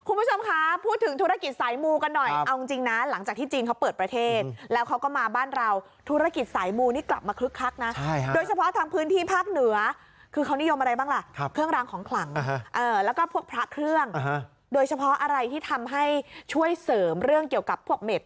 คุณผู้ชมคะพูดถึงธุรกิจสายมูกันหน่อยเอาจริงนะหลังจากที่จีนเขาเปิดประเทศแล้วเขาก็มาบ้านเราธุรกิจสายมูนี่กลับมาคึกคักนะโดยเฉพาะทางพื้นที่ภาคเหนือคือเขานิยมอะไรบ้างล่ะเครื่องรางของขลังแล้วก็พวกพระเครื่องโดยเฉพาะอะไรที่ทำให้ช่วยเสริมเรื่องเกี่ยวกับพวกเม็ด